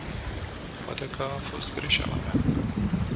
Poate că a fost greșeala mea.